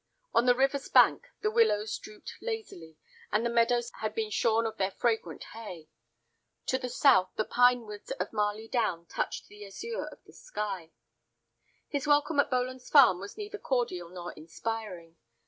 On the river's bank the willows drooped lazily, and the meadows had been shorn of their fragrant hay. To the south the pine woods of Marley Down touched the azure of the sky. His welcome at Boland's Farm was neither cordial nor inspiring.